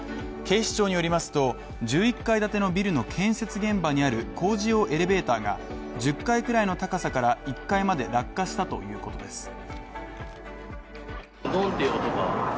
警視庁によりますと、１１階建てのビルの建設現場にある工事用エレベーターが１０階ぐらいの高さから１階まで落下したということです。